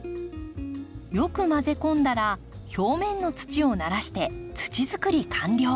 よく混ぜ込んだら表面の土をならして土づくり完了。